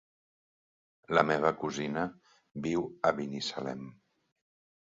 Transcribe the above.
La meva cosina viu a Binissalem.